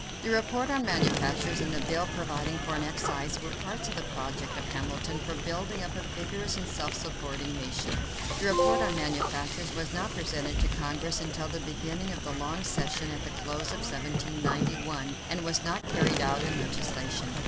The report on manufactures and the bill providing for an excise were parts of the project of Hamilton for building up a vigorous and self supporting nation. The report on manufactures was not presented to Congress until the beginning of the long session at the close of 1791, and was not carried out in legislation.